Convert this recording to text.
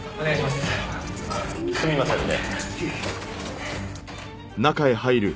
すみませんね。